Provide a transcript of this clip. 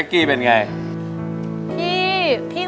นี่คือเพลงที่นี่